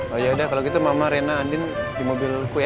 oh ya udah kalau gitu mama rena andien di mobilku ya